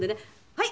「はい。